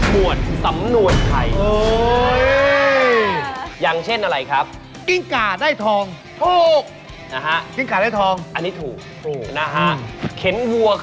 หมายเรียกอะไรดีคะ